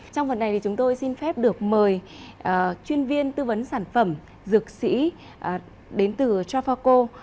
trong phần này thì chúng tôi xin phép được mời chuyên viên tư vấn sản phẩm dược sĩ đến từ trafaco